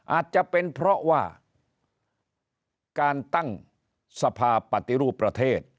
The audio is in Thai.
อาจจะเป็นเพราะว่าการตั้งสภาปฏิรูปประเทศ